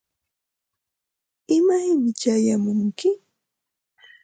¿imaymi chayamunki?